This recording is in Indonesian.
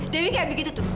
dewi kayak begitu tuh